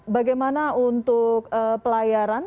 bagaimana untuk pelayaran